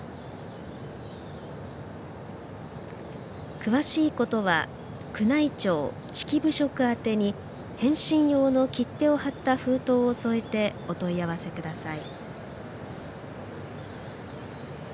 詳しいことは宮内庁・式部職宛てに返信用の切手を貼った封筒を添えてお問い合わせください。